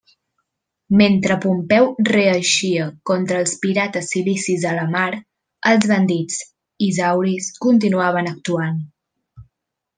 Mentre Pompeu reeixia contra els pirates cilicis a la mar, els bandits isauris continuaven actuant.